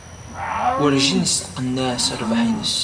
Werjin yesteqneɛ s rrbeḥ-nnes.